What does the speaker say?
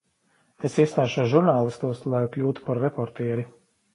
Es iestāšos žurnālistos, lai kļūtu par reportieri.